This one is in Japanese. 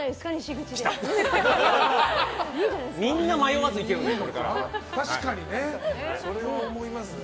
みんな迷わず行けるよね。